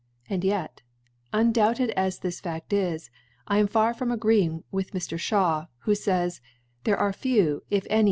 And yet undoubted as this Fad is, I am ^ far from agreeing with Mr. Sbaxv ^y who fays, * There arc few, if any.